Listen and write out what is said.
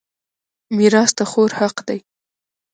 میراث د خور حق دی.